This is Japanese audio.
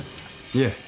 いえ。